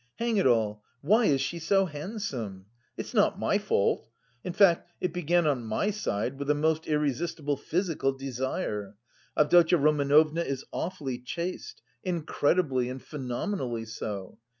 Hang it all, why is she so handsome? It's not my fault. In fact, it began on my side with a most irresistible physical desire. Avdotya Romanovna is awfully chaste, incredibly and phenomenally so.